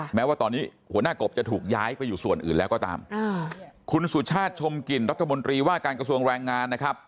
แม้ว่าตอนนี้หัวหน้ากบจะถูกย้ายไปอยู่ส่วนอื่นแล้วก็ตามคุณสุชาติชมกลิ่นรัฐมนตรีว่าการกระทรวงแรงงานนะครับ